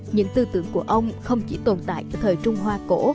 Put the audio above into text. những tư tưởng của ông không chỉ tồn tại ở thời trung hoa cổ